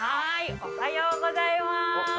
おはようございます。